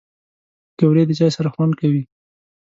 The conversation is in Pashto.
پکورې د چای سره خوند کوي